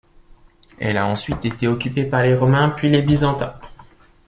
Elle a ensuite été occupée par les Romains puis les Byzantins.